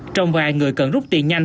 trong vài người cần rút tiền nhanh